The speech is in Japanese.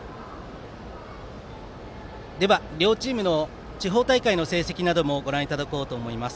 では、両チームの地方大会の成績などもご覧いただこうと思います。